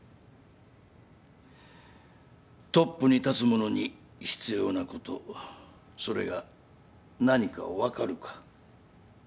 トップに立つ者に必要なことそれが何か分かるか？